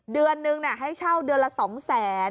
เดือนนึงให้เช่าเดือนละ๒แสน